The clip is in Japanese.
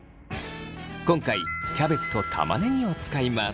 今回キャベツと玉ねぎを使います。